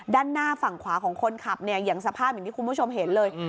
ด้านหน้าฝั่งขวาของคนขับเนี่ยอย่างสภาพอย่างที่คุณผู้ชมเห็นเลย